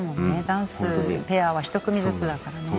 ダンスペアは１組ずつだからね。